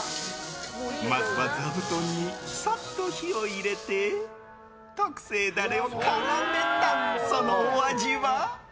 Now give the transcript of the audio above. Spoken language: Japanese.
まずはザブトンにさっと火を入れて特製ダレを絡めた、そのお味は？